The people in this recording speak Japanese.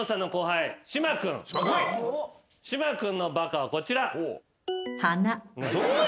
島君のバカはこちら。